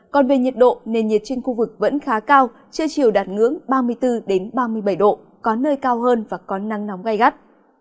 còn về nhiệt độ nền nhiệt trên khu vực vẫn khá cao chưa chịu đạt ngưỡng ba mươi bốn đến ba mươi bảy độ có nơi cao hơn và có năng nóng gây gắt